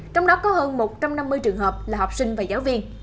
trong đó có hơn một trăm năm mươi trường hợp là học sinh và giáo viên